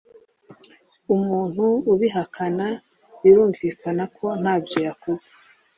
umuntu ubihakana birumvikana ko ntabyo yakoze